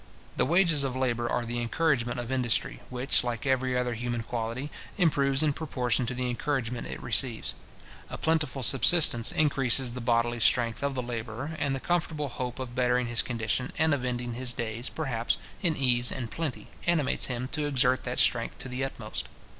The wages of labour are the encouragement of industry, which, like every other human quality, improves in proportion to the encouragement it receives. A plentiful subsistence increases the bodily strength of the labourer, and the comfortable hope of bettering his condition, and of ending his days, perhaps, in ease and plenty, animates him to exert that strength to the utmost.